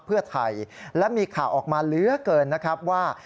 เพื่อไทยและมีข่าวออกมาเหลือเกินนะครับว่า